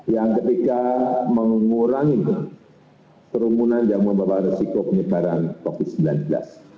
yang ketiga mengurangi kerumunan yang membawa resiko penyebaran covid sembilan belas